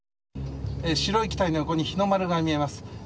白い機体の横に日の丸が見えます。